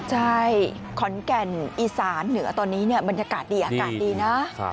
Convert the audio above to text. ใช่ขอนแก่นอีสานเหนือตอนนี้บรรยากาศดีอากาศดีนะ